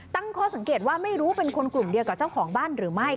ตั้งข้อสังเกตว่าไม่รู้เป็นคนกลุ่มเดียวกับเจ้าของบ้านหรือไม่